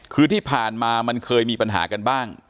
คือที่ผ่านมามันเคยมีปัญหากันบ้าง